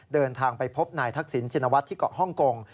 เดินทางไปพบนายทักษิณชินวัฒน์ที่เกาะฮ่องกง